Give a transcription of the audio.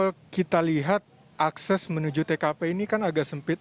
kalau kita lihat akses menuju tkp ini kan agak sempit